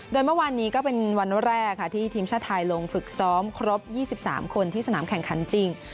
โดยเมื่อวานนี้ก็เป็นวันแรกค่ะที่ทีมชาติไทยลงฝึกซ้อมครบ๒๓คนที่สนามแข่งขันจริง